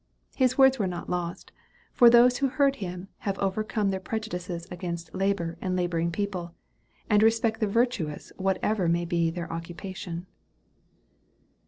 His words were not lost; for those who heard him have overcome their prejudices against labor and laboring people, and respect the virtuous whatever may be their occupation.